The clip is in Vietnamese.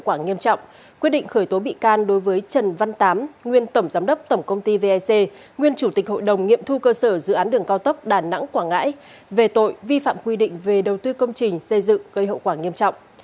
cơ quan cảnh sát điều tra bộ công an đã ra quyết định khởi tố bị can đối với trần văn tám nguyên tổng giám đốc tổng công ty vec nguyên chủ tịch hội đồng nghiệm thu cơ sở dự án đường cao tốc đà nẵng quảng ngãi về tội vi phạm quy định về đầu tư công trình xây dựng gây hậu quả nghiêm trọng